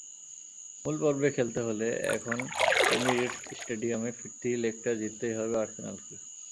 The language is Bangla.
মূল পর্বে খেলতে হলে এখন এমিরেটস স্টেডিয়ামে ফিরতি লেগটা জিততেই হবে আর্সেনালকে।